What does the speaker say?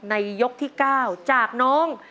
ยกที่๙จากน้อง